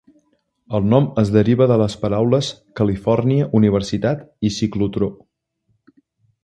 El nom es deriva de les paraules "Califòrnia", "universitat" i "ciclotró".